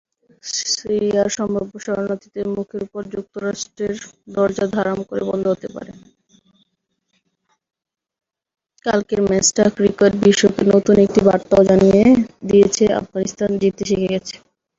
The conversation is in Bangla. কালকের ম্যাচটা ক্রিকেট বিশ্বকে নতুন একটা বার্তাও জানিয়ে দিয়েছে—আফগানিস্তান জিততে শিখে গেছে।